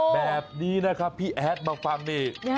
แบบนี้นะครับพี่แอดมาฟังนี่